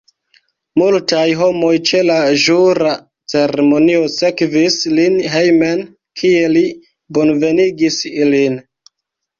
Multaj homoj ĉe la ĵura ceremonio sekvis lin hejmen, kie li bonvenigis ilin.